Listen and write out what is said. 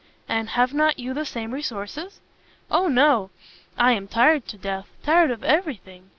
"And have not you the same resources?" "O no! I am tired to death! tired of every thing!